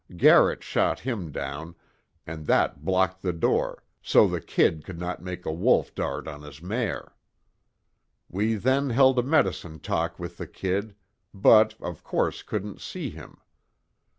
Garrett shot him down, and that blocked the door, so the 'Kid' could not make a wolf dart on his mare. We then held a medicine talk with the Kid, but of course couldn't see him.